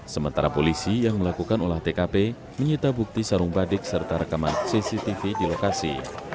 sementara polisi yang melakukan olah tkp menyita bukti sarung badik serta rekaman cctv di lokasi